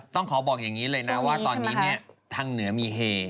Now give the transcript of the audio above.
ต้องขอบอกอย่างนี้เลยนะว่าตอนนี้เนี่ยทางเหนือมีเฮ